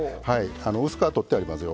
薄皮とってありますよ